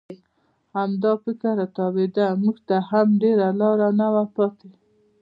همدا فکر را تاوېده، موږ ته هم ډېره لاره نه وه پاتې.